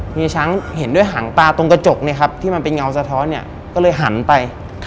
เฮียช้างเห็นด้วยหางปลาตรงกระจกเนี่ยครับที่มันเป็นเงาสะท้อนเนี่ยก็เลยหันไป